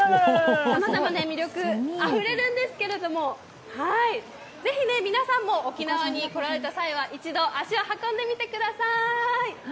さまざまな魅力あふれるんですけれども、ぜひ皆さんも沖縄に来られた際は一度、足を運んでみてください。